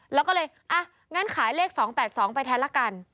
แล้วก็เลยอ่ะงั้นขายเลข๒๘๒ไปแทนละกัน